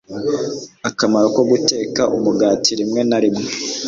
akamaro ko guteka umugati. Rimwe na rimwe,